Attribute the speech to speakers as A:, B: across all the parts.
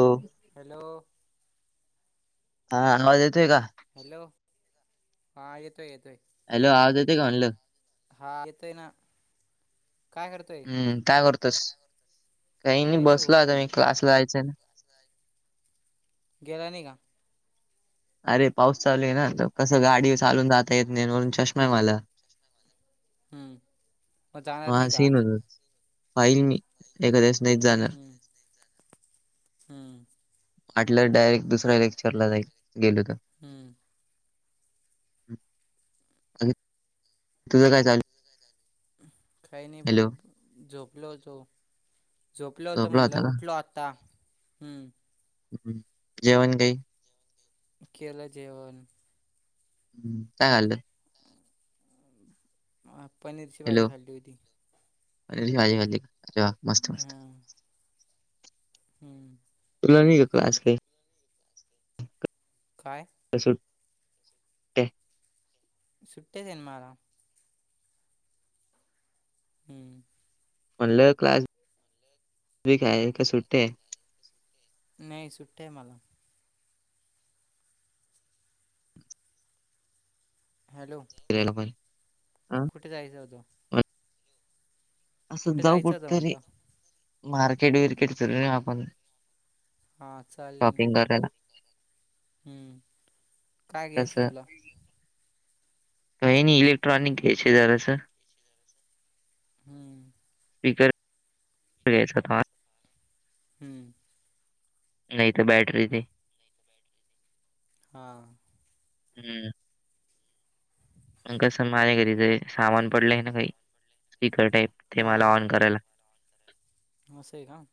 A: Hello.
B: Hello.
A: हा. आवाज येतोय का?
B: हॅलो. हा. येतोय येतोय.
A: हॅलो. आवाज येतोय का म्हणलं?
B: हा. येतोय ना. काय करतोय
A: हम्म. काय करतोस? काही नाही. बसलो आता मी क्लासला जायचं ना?
B: गेला नाही का?
A: अरे पाऊस चालू आहे ना? कसं गाडी चालवून जाता येत नाही. वरून चष्मा आहे मला.
B: हम्म. मग जाणार
A: हा
B: नाही का
A: सीन
B: आज
A: होतो पााईल मी. एखाद्या वेळेस नाहीच जाणार.
B: हम्म हम्म
A: वाटल्यास डायरेक्ट दुसऱ्या लेक्चरला जाईल गेलो तर.
B: हम्म
A: तुझ काय चालू?
B: काही नाही भो
A: हॅलो
B: झोपलो होतो. झोपलो होतो
A: झोपला होता
B: म्हटलं
A: का?
B: उठलो आत्ता. हम्म.
A: जेवण काही?
B: केलं जेवन.
A: हम्म. काय खाल्लं?
B: अ पनीरची भाजी
A: हॅलो
B: खाल्ली होती.
A: पनीरची भाजी खाल्ली. अरे वा! मस्त मस्त.
B: हां हम्म
A: तुला मी - [unintelligible] काही.
B: काय?
A: [unintelligible]
B: सुट्ट्याच्ये ना मला. हम्म.
A: म्हणलं क्लास बीस आहे का सुट्ट्याय?
B: नाही सुट्ट्या ए मला. हॅलो.
A: [unintelligible] पण हा
B: कुठे जायच होतं?
A: असंच
B: कुठे
A: जाऊ
B: जायचं होतं
A: कुठतरी
B: म्हटलं
A: मार्केट बीरकेट फिरून येऊ आपण.
B: हा चालेल ना.
A: शॉपिंग करायला
B: हम्म काय घ्यायचं तुला?
A: काय नाई इलेक्ट्रॉनिक घ्यायचंय जरासं.
B: हम्म.
A: स्पीकर
B: हम्म.
A: नाय त बॅटरी ते
B: हा.
A: हम्म. मग कसं माझ्या घरी जरा एक सामान पडलंय ना काही स्पीकर टाईप ते मला ऑन करायला
B: आसय का?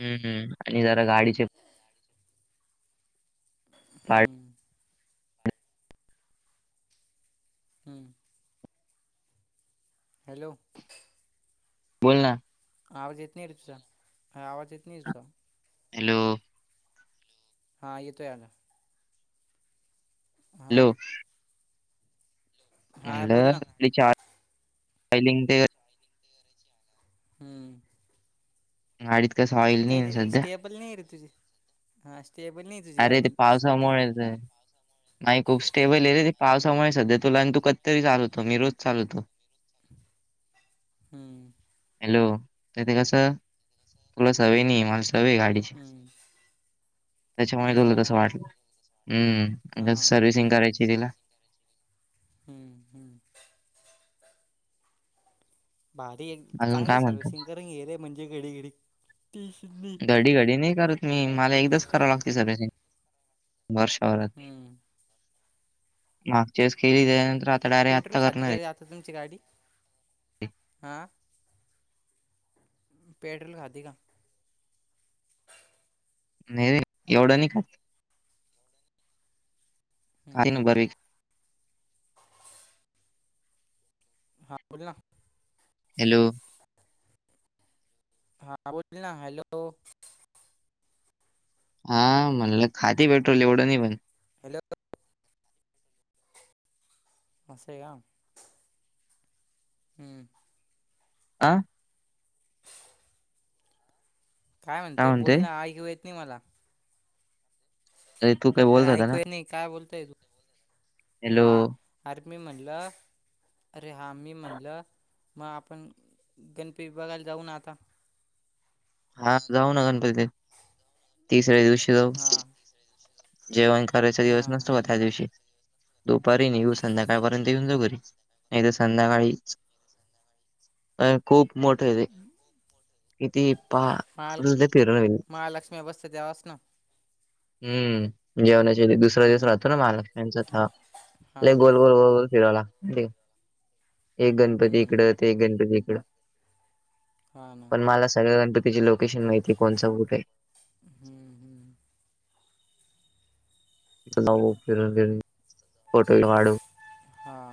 A: हम् हम् आणि जरा गाडीचे पार्ट
B: हम्म. हम्म. हॅलो.
A: बोल ना.
B: आवाज येत नाय रे तुजा आवाज येत नाय तुझा.
A: हॅलो.
B: हां येतोय आता. हां,
A: हॅलो.
B: हां, बोल ना.
A: [unintelligible]
B: हम्म.
A: गाडीत कसं ऑईल नाय ना सध्या?
B: बल नाई रे तुझी हा स्टेबल नाही तुझी
A: अरे ते
B: गाडी स्कुटी.
A: पावसामुळे ते- नाही खूप स्टेबल आहे रे ते पावसामुळे सध्या तुला आण तू कधीतरी चालवतो मी रोज चालवतो.
B: हम्म.
A: हॅलो ते कस तुला सवय नाई सवय ए गाडीची
B: हं,
A: त्याच्यामुळे तुला तस वाटलं हम्म.
B: हा.
A: जसं सर्व्हिसिंग करायची तिला
B: हम्म हम्. भारीये
A: अजून काय
B: चांगली
A: म्हणतो
B: सर्विसिंग करून घेरे म्हणजे घडी घडी नाई.
A: घडी घडी नई करत. नाई मला एकदाच कराव लागते सर्विसिंग वर्षभरात.
B: हं,
A: मागच्या वेळीस केली
B: हं.
A: त्याच्यानंतर आता डायरेक्ट
B: पेट्रोल
A: आत्ता
B: खाते का
A: करणाराय.
B: रे आता तुमची गाडी आ? पेट्रल खाते का?
A: नाय रे एवढं नाय खात.
B: हं,
A: खाते ना
B: हं.
A: बरेच.
B: [inaudible] हा बोल ना.
A: हॅलो.
B: हा बोल ना हॅलो.
A: हा म्हणलं खाती पेट्रोल एवढं नाय पण.
B: हॅलो. असय आहे का? हम्म.
A: आं?
B: काय म्हणते? बोलना ऐकु येत नाही मला.
A: अरे तू काय
B: अरे
A: बोलत होता ना
B: ऐकू य नही काय बोलतय तू?
A: हॅलो
B: हां. आर मी म्हणलं अरे हा मी म्हणलं, म आपण गणपती बघायला जाऊ ना आता?
A: हान जाऊ ना गणपती, तिसऱ्या दिवशी जाऊ.
B: हा
A: जेवण करायचा दिवस
B: हा
A: नसतो का, त्या दिवशी. दुपारी निगू संध्याकाळपर्यंत येेऊन जाऊ घरी, नही तर संध्याकाळी अ खूप मोठ रे, ते किती? [inaudible] अ
B: महा
A: अ फिरून होईल,
B: महालक्ष्मी बसते तेव्हाच ना
A: हम्म. जेवणाच्या दुसरा दिवस
B: हम्म
A: राहतो ना, महालक्षमिंचा तेव्हा,
B: हा
A: लई गोल गोल गोल फिराव लाग हे एक गणपती इकड,
B: हम्म
A: ते एक गणपती इकड.
B: हा ना
A: पण मला सगळ्या गणपतीची लोकेशन माहिती, कोणचं कुठे?
B: हम्म हम्म.
A: चला येऊ फिरून बिरून, फोटो बी काडू.
B: हां.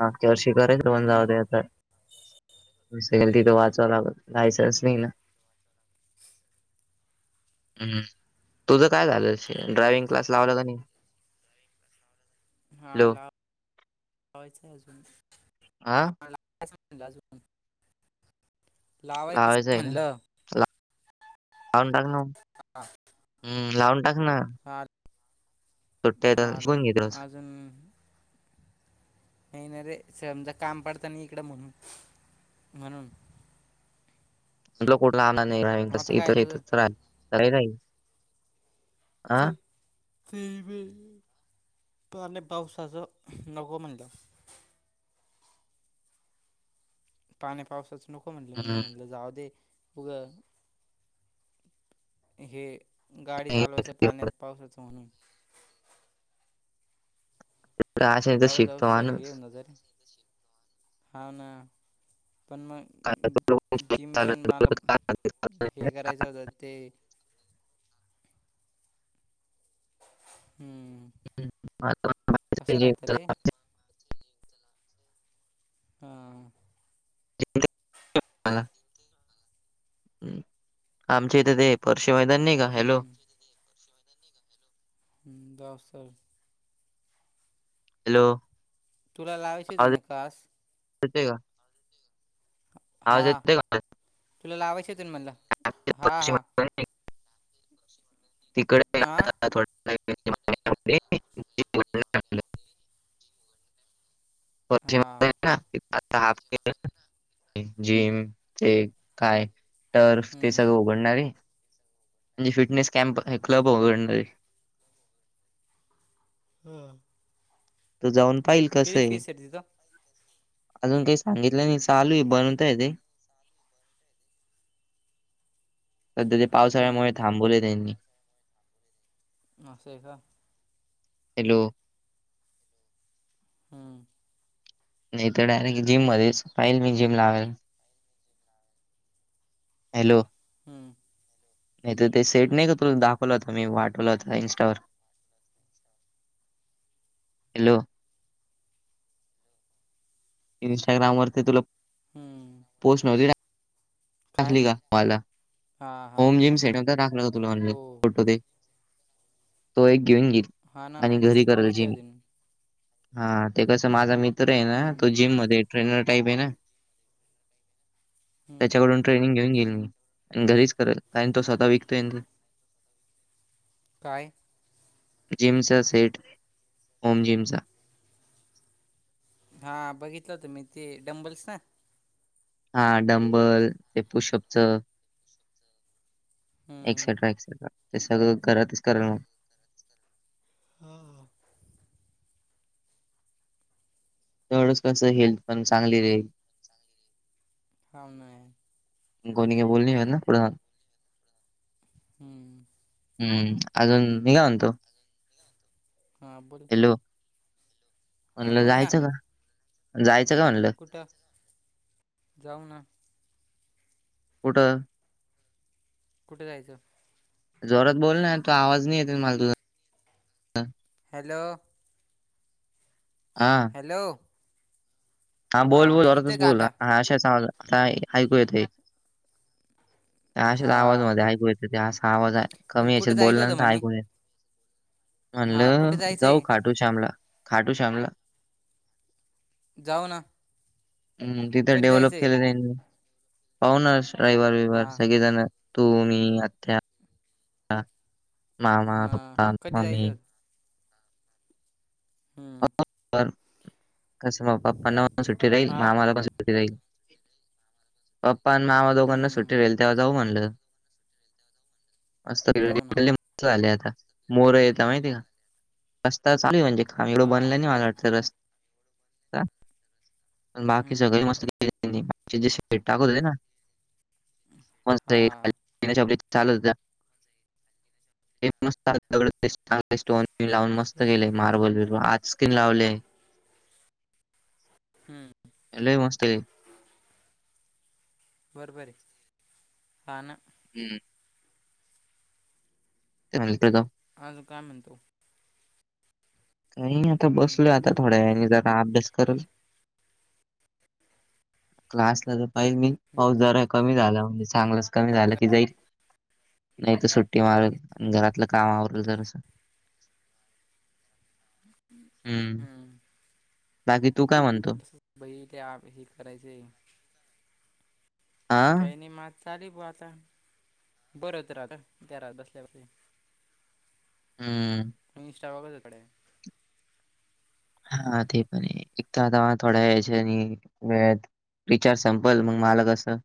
A: मागच्या वर्षी [unintelligible] चला, जायचं
B: हम्म
A: नहीं का? हम्, तुझं काय झालं श, ड्रायविंग क्लास लावलं का नाही?
B: हा
A: हॅलो
B: ला-लावायचंय अजून,
A: हा
B: हां लावयचा म्हणलं अजून.
A: लावायचं का? ला लावून टाक ना् म, ह्म लावून टाक ना. सुट्ट्या
B: हां
A: आहेत शिकून
B: आलं,
A: घे रोज
B: हां अजून नही ना रे, समजा काम पडत नही इकडं म्हणून, म्हणून
A: म्हटलं कुठ जाणार नही,
B: आता
A: [inaudible] इथ
B: काय तुझं
A: यथ रा [unintelligible]
B: च. [inaudible] पाने पाऊसाच नगो म्हणलं. पाणी पावसाच नको म्हनलं मी, म्हणलं जाऊ दे. उग, हे गाडी चालवायचं पाण्यात. पावसाचं म्हणून.
A: आशेनेच
B: जाऊ जाऊ
A: शिकतो
B: स्तर
A: माणूस
B: होऊन जातं रे, हवंना पण म
A: काय डोकं कुठं
B: जिम
A: चालू
B: पण
A: आहे,
B: मला,
A: डोकं
B: हे
A: काय
B: करायचं होतं ते. हम्म.
A: [inaudible]
B: तसं राहतं रे
A: हम्
B: हां.
A: [inaudible] ला ह, आमच्या इथे ते [inaudible] परशी मैदान नही का? हॅलो
B: हम्म, हम्म [unintelligible] दस सर.
A: हॅलो?
B: तूला लावायचीच ये ना कास्ट?
A: पिटे गा आवाज
B: हा
A: येतोय का आवाज?
B: तुला लावायच होते मणला? हा
A: परशी
B: हा
A: मैदान नाही का
B: हा
A: [unintelligible] पश्चिम
B: हा
A: आता हा के जिम ते काय टर्फ ते सगळं
B: हम्म.
A: उघडणारे म्हणजे मी फिटनेस कॅम्प हे क्लब उघडणारे
B: हम्म.
A: तो जाऊन पाहिल कसं आहे.
B: फीस तिथं
A: अजून काही सांगितलं नाही चालू आहे बनवताय ते सध्या ते पावसाळ्यामुळे
B: हम्म.
A: थांबवले त्यांनी
B: असं आहे का?
A: हॅलो!
B: हम.
A: नाही तर डायरेक्ट जिम मध्येच पाहिल मी जिम लावेल. हॅलो!
B: हम्म.
A: नाही तर ते सेट नाही का तु दाखवलं होत मी वाठवलं होता इन्स्टावर हॅलो! इंस्टाग्राम वरती तुला
B: हम्म.
A: पोस्ट नव्हती...
B: काय
A: टली का मला?
B: हा हा
A: होम जिम सेट दाखला हो तुला ऑलान, फोटो ते.. तो एक घेऊन घील
B: हा ना
A: आणि
B: दिस
A: घरी करल
B: बघितले
A: जिम
B: होते मी
A: हा.. ते कसं माझा मित्र आहे ना तो
B: हम्म.
A: जिम मध्ये ट्रेनर टाईप आहे ना
B: हम्म. हम्म.
A: त्याच्याकडून ट्रेनिंग घेऊन गेईल मी घरीच करेल कारण तो स्वतः विकतोय.
B: काय?
A: जिमचा सेट होम जिमचा
B: हा बघितलं होत मी ते.. डंबल्स ना?
A: हा डंबल ते पुषपच
B: हम्म.
A: एक्सेट्रा एक्सेट्रा ते सगळं घरातच करल मग.
B: हो हो.
A: तेवढंच कसं हेल्थ पण चांगली राहील.
B: हाव ना
A: कोणी का बोलणी ना पुढ
B: हम्म.
A: हम्म.. अजून मी काय म्हणतो.
B: हा.. बोल
A: हॅलो!..
B: हा
A: म्हणलं
B: बोल
A: जायचं का जायचं का म्हणलं?
B: कुठ? जाऊना.
A: कुठं?
B: कुठे जायचं?
A: जोरात बोल ना तो आवाज नाही येते मला तुझा.
B: हॅलो!
A: हा.
B: हॅलो!
A: हा बोल बोल जोरातच
B: ऐकतोय का
A: बोल
B: आता
A: हा अश्या च आवाजात आता ऐकू येतय. त्या अशाच
B: हा
A: आवाज मध्ये ऐकू येत, ते असा आवाज आय,
B: तर
A: कमी
B: कुठे
A: याच्यात
B: जायचं
A: बोलना
B: होतं
A: तर
B: म्हणे
A: ऐकू नई येत.
B: हा कुठे
A: म्हणलं, जाऊ
B: जायचंय
A: खाटू श्यामला, खाटू श्यामला.
B: जाऊ ना.
A: हम्म, तिथं
B: कधी
A: डेव्हलप
B: जायचंय
A: केल त्यांनी, पाहू ना रविवार
B: हा
A: बिववार सगळेजण. तू, मी, आत्या, मामा,
B: हा
A: पप्पा म
B: कधी जायचं
A: ममी.
B: होतं हम्म
A: [inaudible] कस म पप्पांना पण सुट्टी राहील,
B: हा
A: मामा ला पण सु टी राहील, पप्पा न मामा दोघना सुट्ट सुट्टी
B: हम्म
A: रशील तेव्हा जाऊ म्हणलं, मस्त
B: जाऊ ना
A: तिकडं [inaudible] [inaudible] ले आता, मोरं येत माहितीय का, रस्ता चालूय, म्हणजे का एवढं
B: हा
A: बनलं नाही, मला वाटत. सगळं च, का बाकी
B: हम्म
A: सगळे मस्त [inaudible] तुझ्याशी पेट टाकू दे ना, मस्त
B: हा
A: ऐ [inaudible] [unintelligible] चालत जा. हे मस्त चांग स्टोन लावून, मस्त ग
B: हम्म
A: केले, मार्बल-बर्बल आज स्क्रीन लावलय.
B: हम्म.
A: ते लई मस्त.
B: बरोबर, हा ना?
A: हम्म. ते म्हणतोय का [unintelligible]
B: आजून काय म्हणतो?
A: काई नई आता
B: हम्म
A: बसलो आता, थोड्यावेळानी जरा अभ्यास करल. क्लासला तर पाहिजे,
B: हम्म
A: पाऊस जरा कमी झाला, म्हणजे चांगलाच कमी झाला की जाईल. नही तर सुट्टी मारल, घरातलं काम आवरल, जरास. हम्म, बाकी तू काय म्हणतो?
B: त बई ते हे [inaudible] करायचय.
A: हा
B: काही नही म आता चालू ये बाता, बोर होत रं आता, घरात बसल्या वरती.
A: हम्म.
B: त इनस्ाफवाचोकडे [unintelligible]
A: हा ते पण, एक तर आता थोड्या याच्याने वे रिचार्ज संपल, मग माला कसं?